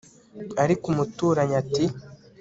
ariko umuturanyi ati